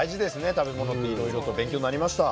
食べ物っていろいろと勉強になりました。